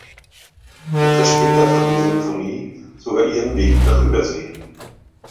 Etwas später fand die Sinfonie sogar ihren Weg nach Übersee.